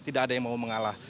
tidak ada yang mau mengalah